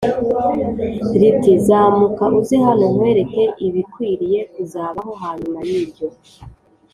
riti “Zamuka uze hano nkwereke ibikwiriye kuzabaho hanyuma y’ibyo.”